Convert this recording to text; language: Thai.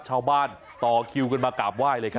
ต่อคิวกันมากราบไหว้เลยครับ